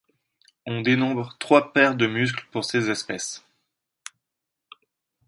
On dénombre trois paires de muscles pour ces espèces.